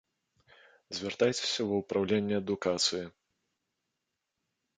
Звяртайцеся ва ўпраўленне адукацыі.